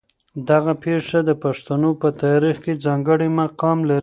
دغه پېښه د پښتنو په تاریخ کې ځانګړی مقام لري.